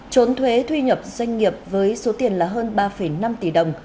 trốn thuế thu nhập doanh nghiệp với số tiền là hơn ba năm tỷ đồng